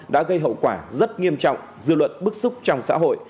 đã gây hậu quả rất nghiêm trọng dư luận bức xúc trong xã hội